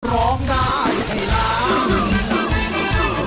ร้องได้ให้ล้าน